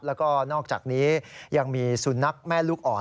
แล้วก็นอกจากนี้ยังมีสุนัขแม่ลูกอ่อน